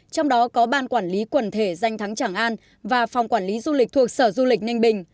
trong đó có ban quản lý quần thể danh thắng tràng an và phòng quản lý du lịch thuộc sở du lịch ninh bình